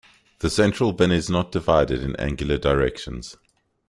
The central bin is not divided in angular directions.